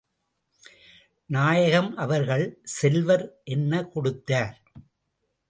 நாயகம் அவர்கள், செல்வர் என்ன கொடுத்தார்?